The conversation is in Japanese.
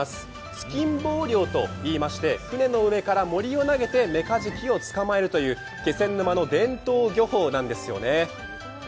突きん棒漁といいまして、海の上からメカジキを捕まえるという気仙沼の伝統漁法なんですね。